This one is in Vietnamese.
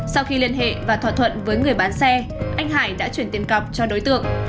sau khi liên hệ và thỏa thuận với người bán xe anh hải đã chuyển tiền cọc cho đối tượng